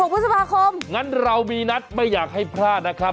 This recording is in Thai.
พฤษภาคมงั้นเรามีนัดไม่อยากให้พลาดนะครับ